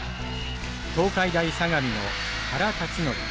東海大相模の原辰徳。